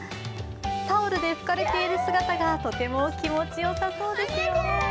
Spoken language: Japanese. タオルで拭かれている姿がとても気持ちよさそうですね。